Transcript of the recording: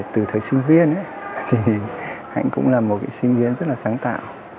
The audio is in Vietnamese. từ thời sinh viên ấy thì hạnh cũng là một cái sinh viên rất là sáng tạo